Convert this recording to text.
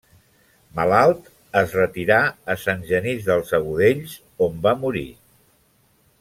Malalt, es retirà a Sant Genís dels Agudells, on va morir.